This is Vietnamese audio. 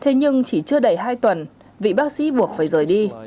thế nhưng chỉ chưa đầy hai tuần vị bác sĩ buộc phải rời đi